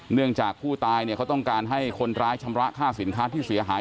เนื่องจากผู้ตายเนี่ยเขาต้องการให้คนร้ายชำระค่าสินค้าที่เสียหาย